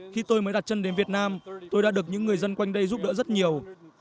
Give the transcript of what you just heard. khi tôi mới đặt chân đến việt nam tôi đã được những người dân quanh đây giúp đỡ rất nhiều